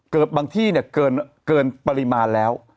เกินบางที่เกินปริมาณแล้ว